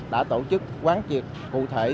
đã tổ chức quán triệt cụ thể